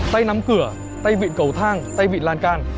tay nắm cửa tay vịn cầu thang tay vịn lan can